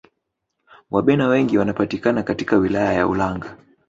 wabena wengi wanapatikana katika wilaya ya ulanga